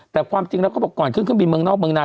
แต่ความจริงแล้วเขาบอกก่อนขึ้นเครื่องบินเมืองนอกเมืองนา